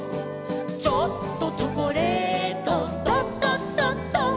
「ちょっとチョコレート」「ドドドド」